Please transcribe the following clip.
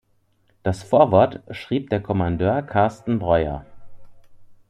Das Vorwort schrieb der Kommandeur Carsten Breuer.